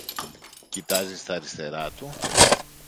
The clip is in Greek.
Κοιτάζει στ’ αριστερά του